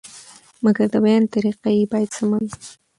مګر د بیان طریقه یې باید سمه وي.